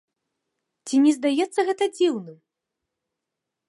Ці не здаецца гэта дзіўным?